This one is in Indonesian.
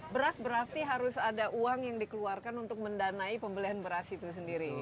beras berarti harus ada uang yang dikeluarkan untuk mendanai pembelian beras itu sendiri